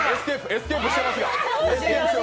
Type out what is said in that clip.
エスケープしてますよ。